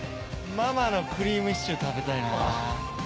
ママのクリームシチュー食べたいなぁ。